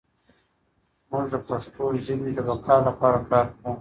موږ د پښتو ژبې د بقا لپاره کار کوو.